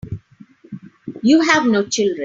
You have no children.